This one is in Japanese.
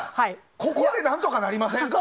ここで何とかなりませんか？